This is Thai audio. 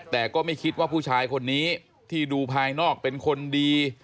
แต่ก็ไม่คิดว่าผู้ชายคนนี้ที่ดูภายนอกเป็นคนดี